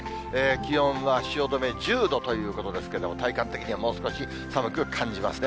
気温は汐留１０度ということですけれども、体感的にはもう少し寒く感じますね。